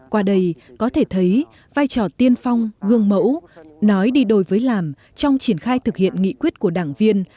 qua đây có thể thấy vai trò tiên phong gương mẫu nói đi đôi với làm trong triển khai thực hiện nghị quyết của đảng viên